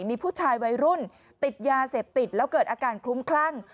มีผู้ชายวัยรุ่นติดยาเสพติดแล้วเกิดอาการคลุ้มคลั่ง